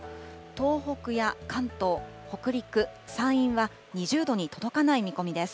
東北や関東、北陸、山陰は２０度に届かない見込みです。